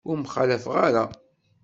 Ur mxallafeɣ ara.